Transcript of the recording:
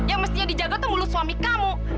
heeh yang mestinya dijaga itu mulut suami kamu